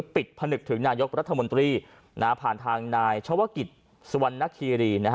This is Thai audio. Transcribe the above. ปิดพนึกยนต์จนกกับนายรัฐมนตรีนะฮะผ่านทางนายชวนคิรซวันนฮิรีนะฮะ